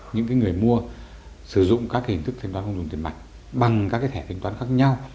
những người mua sử dụng các hình thức thanh toán không dùng tiền mặt bằng các thẻ thanh toán khác nhau